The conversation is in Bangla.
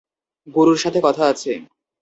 গুরুর সাথে কথা আছে।